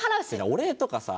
お礼とかさ。